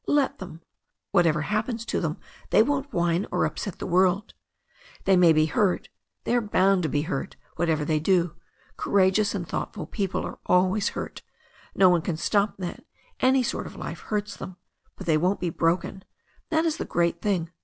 Let them. Whatever happens to them they won't whine or upset the world. They may be hurt — they are bound to be hurt whatever they do, courageous and thoughtful people are always hurt, no one can stop that, any sort of life hurts them — ^but they won't be broken. That is the great thing.